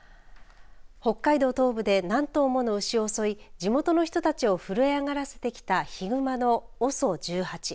北海道東部で何頭もの牛を襲い地元の人たちを震え上がらせてきたヒグマのＯＳＯ１８